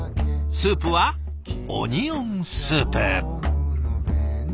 スープはオニオンスープ。